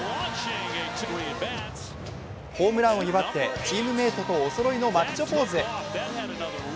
ホームランを祝ってチームメートとおそろいのマッチョポーズ。